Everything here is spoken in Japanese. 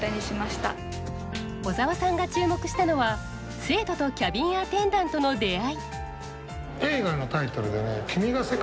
小沢さんが注目したのは生徒とキャビンアテンダントの出会い。